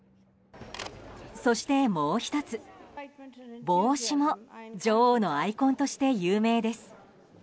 そして、もう１つ帽子も女王のアイコンとして有名です。